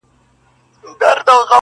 پر هر ګام باندي لحد او کفن زما دی-